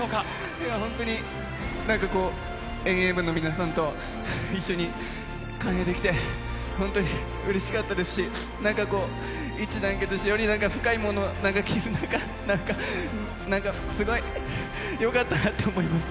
いや本当に、なんかこう、遠泳部の皆さんと一緒に完泳できて、本当にうれしかったですし、なんかこう、一致団結して、よりなんか深いもの、絆が、なんか、すごい、よかったなって思います。